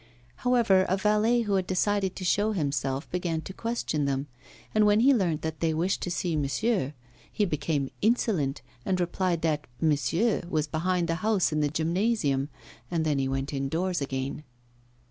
However, a valet who had decided to show himself began to question them, and when he learnt that they wished to see 'monsieur,' he became insolent, and replied that 'monsieur' was behind the house in the gymnasium, and then went indoors again.